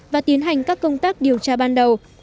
và tiến hành các công tác điều tra ban đầu